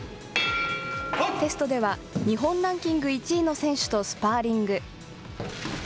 テストでは、日本ランキング１位の選手とスパーリング。